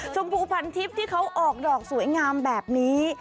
ชมพูพันทิพย์ที่เขาออกดอกสวยงามแบบนี้